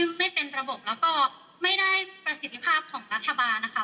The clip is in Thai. มันเกิดขึ้นกว่าการจัดการที่ไม่เป็นระบบแล้วก็ไม่ได้ประสิทธิภาพของรัฐบานะคะ